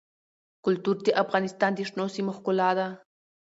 کلتور د افغانستان د شنو سیمو ښکلا ده.